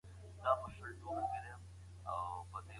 آیا سوزېدلی کاغذ لوستل کیږي؟